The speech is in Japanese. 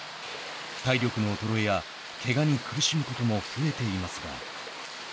体力の衰えやけがに苦しむことも増えていますが。